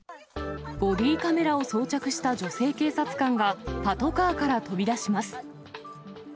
ボディカメラを装着した女性警察官が、パトカーから飛び出します。